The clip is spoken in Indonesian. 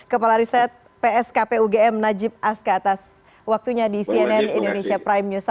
kepala riset pskpugm najib aska atas waktunya di cnn indonesia prime news